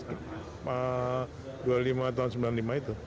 dua puluh lima tahun sembilan puluh lima itu